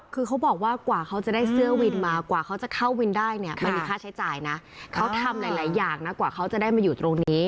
คือเขาบอกว่ากว่าเขาจะได้เสื้อวินมากว่าเขาจะเข้าวินได้เนี่ยมันมีค่าใช้จ่ายนะเขาทำหลายอย่างนะกว่าเขาจะได้มาอยู่ตรงนี้